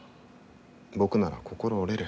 僕なら心折れる。